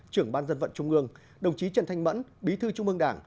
trưởng ban dân vận trung mương đồng chí trần thanh mẫn bí thư trung mương đảng